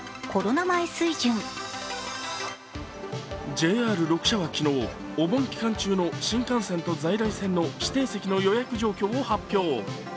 ＪＲ６社は昨日、お盆期間中の新幹線と在来線の指定席の予約状況を発表。